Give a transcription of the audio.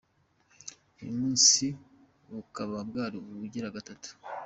Uyu munsi bukaba bwari ubugira gatatu.